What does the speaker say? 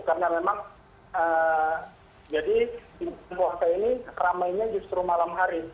karena memang jadi di masa ini ramainya justru malam hari